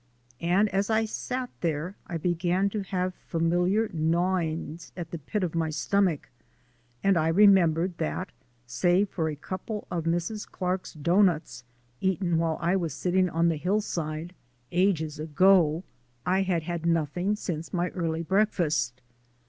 And as I sat there I began to have familiar gnawings at the pit of my stomach, and I remembered that, save for a couple of Mrs. Clark's doughnuts eaten while I was sitting on the hillside, ages ago, I had had nothing since my early breakfast.